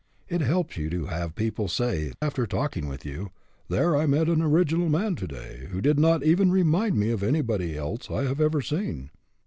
It helps you to have people say, after talking with you, " There, I met an original man, to day, who did not even remind me of anybody else I have ever seen."